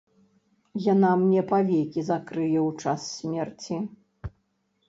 Яна мне павекі закрые ў час смерці.